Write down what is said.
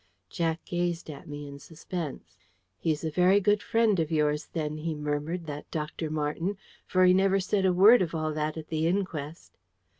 Jack gazed at me in suspense. "He's a very good friend of yours, then," he murmured, "that Dr. Marten. For he never said a word of all that at the inquest."